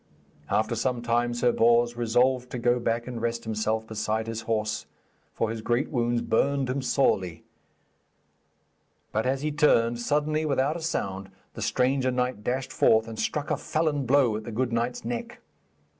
After some time Sir Bors resolved to go back and rest himself beside his horse, for his great wounds burned him sorely; but as he turned, suddenly, without a sound, the stranger knight dashed forth, and struck a felon blow at the good knight's neck.